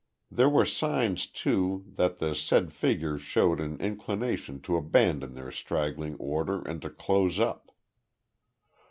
There were signs too, that the said figures showed an inclination to abandon their straggling order and to close up.